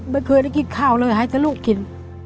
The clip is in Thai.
ไม่เคยได้กินข้าวเลยให้แต่ลูกกิน